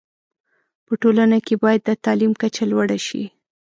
په ټولنه کي باید د تعلیم کچه لوړه شی